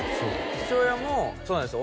父親もそうなんですよ